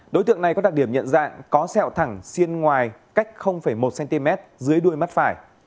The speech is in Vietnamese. đối tượng này có đặc điểm nhận dạng có sẹo thẳng xiên ngoài cách một cm dưới đuôi mắt phải